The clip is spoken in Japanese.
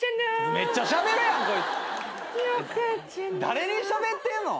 誰にしゃべってんの？